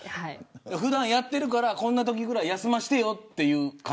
普段やってるからこんなときぐらい休ませてよという感じ。